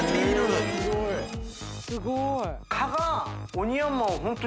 すごい。